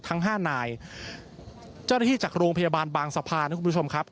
ทั้งห้านายเจ้าหน้าที่จากโรงพยาบาลบางสะพานนะคุณผู้ชมครับ